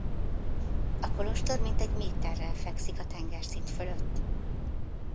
A kolostor mintegy méterrel fekszik a tengerszint fölött.